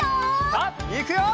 さあいくよ！